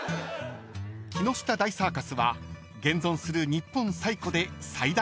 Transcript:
［木下大サーカスは現存する日本最古で最大のサーカス団］